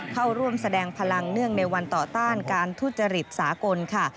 เข้าร่วมแสดงพลังเนื่องในวันต่อต้านการทุจริตสากลค่ะ